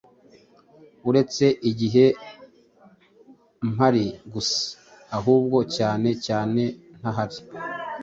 uretse igihe mpari gusa, ahubwo cyane cyane ntahari,